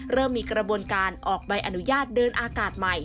เริ่มมีกระบวนการออกใบอนุญาตเดินอากาศใหม่